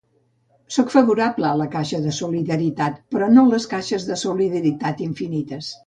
Sóc favorable a la caixa de solidaritat, però no les caixes de solidaritat infinites.